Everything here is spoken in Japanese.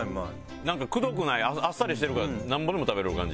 くどくないあっさりしてるからなんぼでも食べられる感じ。